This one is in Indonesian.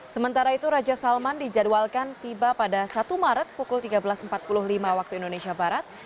sementara itu raja salman dijadwalkan tiba pada satu maret pukul tiga belas empat puluh lima waktu indonesia barat